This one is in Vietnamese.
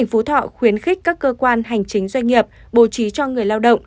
phú thọ khuyến khích các cơ quan hành chính doanh nghiệp bố trí cho người lao động